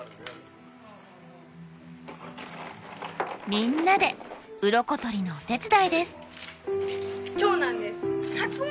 みんなでウロコ取りのお手伝いです。